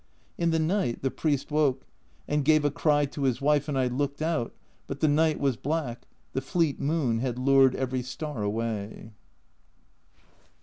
In the night the priest woke, and gave a cry to his wife, and I looked out, but the night was black, the fleet moon had lured every star away.